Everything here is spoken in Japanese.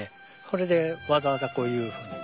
それでわざわざこういうふうに。